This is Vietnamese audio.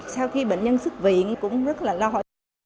sau khi bệnh nhân xuất viện cũng rất là lo